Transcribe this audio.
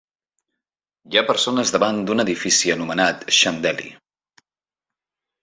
Hi ha persones davant d'un edifici anomenat Shine Deli.